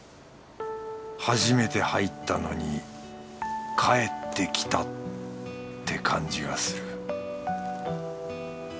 初めて入ったのに帰ってきたって感じがする